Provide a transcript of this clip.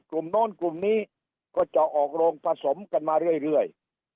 โน้นกลุ่มนี้ก็จะออกโรงผสมกันมาเรื่อย